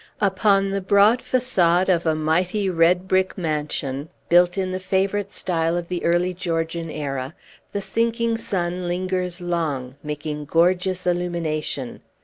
Upon the broad façade of a mighty redbrick mansion, built in the favorite style of the early Georgian era, the sinking sun lingers long, making gorgeous illumination.